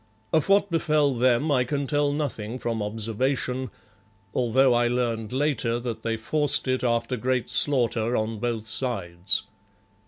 Of what befell them I can tell nothing from observation, although I learned later that they forced it after great slaughter on both sides.